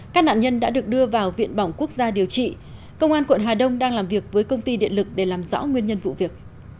các nạn nhân đã được đưa vào viện bỏng quốc gia điều trị công an quận hà đông đang làm việc với công ty điện lực để làm rõ nguyên nhân vụ việc